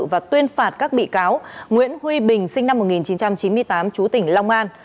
và tuyên phạt các bị cáo nguyễn huy bình sinh năm một nghìn chín trăm chín mươi tám chú tỉnh long an